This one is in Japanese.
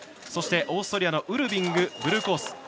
そして、オーストリアのウルビングブルーコース。